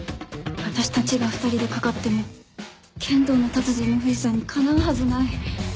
私たちが２人でかかっても剣道の達人の藤さんにかなうはずない。